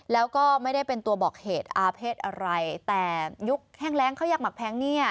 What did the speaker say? แล้วก็ไม่ได้เป็นตัวบอกเหตุอาเภษอะไรแต่ยุคแห้งแรงข้าวยักหมักแพงเนี่ย